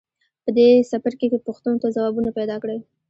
په دې څپرکي کې پوښتنو ته ځوابونه پیداکړئ.